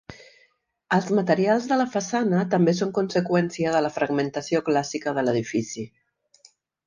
Els materials de la façana també són conseqüència de la fragmentació clàssica de l'edifici.